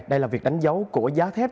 đây là việc đánh dấu của giá thép